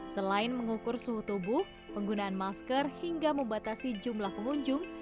selain mengukur suhu tubuh penggunaan masker hingga membatasi jumlah pengunjung